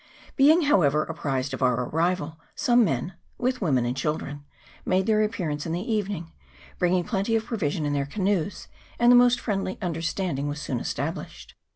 Being, however, apprised of our arrival, some men, with women and children, made their appearance in the evening, bringing plenty of provisions in their canoes, and the most friendly understanding was soon established.